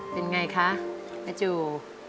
เป็นไงคะไอ้จู